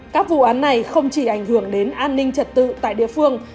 các vụ án này không chỉ ảnh hưởng đến an ninh trật tự tại địa phương